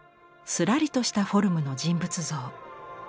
すらりとしたフォルムの人物像。